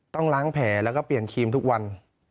ต้องล้างแผลแล้วก็เปลี่ยนครีมทุกวัน